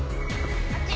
あっち。